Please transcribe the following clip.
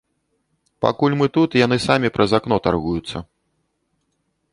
Пакуль мы тут, яны самі праз акно таргуюцца.